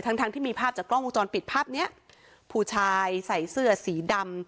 ทั้งทั้งที่มีภาพจากกล้องวงจรปิดภาพเนี้ยผู้ชายใส่เสื้อสีดำ